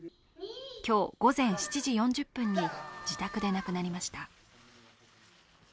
今日午前７時４０分に自宅で亡くなりました。